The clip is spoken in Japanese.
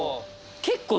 結構。